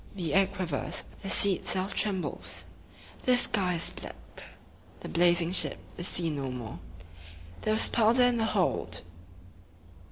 The air quivers; the sea itself trembles; the sky is black. The blazing ship is seen no more. There was powder in the hold!